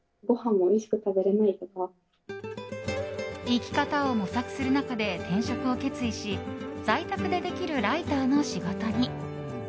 生き方を模索する中で転職を決意し在宅でできるライターの仕事に。